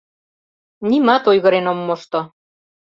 Нимат ойгырен ом мошто».